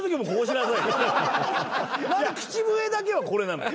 なんで口笛だけはこれなのよ？